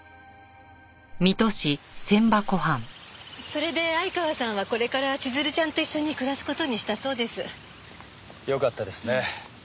それで相川さんはこれから千鶴ちゃんと一緒に暮らす事にしたそうです。よかったですね。